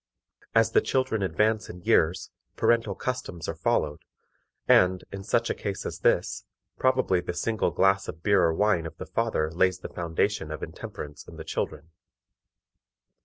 As the children advance in years parental customs are followed, and, in such a case as this, probably the single glass of beer or wine of the father lays the foundation of intemperance in the children.